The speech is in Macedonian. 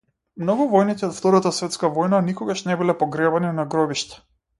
Многу војници од Втората светска војна никогаш не биле погребани на гробишта.